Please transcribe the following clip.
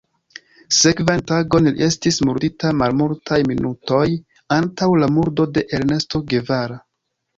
Sekvan tagon li estis murdita malmultaj minutoj antaŭ la murdo de Ernesto Guevara.